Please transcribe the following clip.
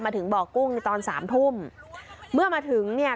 ถึงบ่อกุ้งตอนสามทุ่มเมื่อมาถึงเนี่ย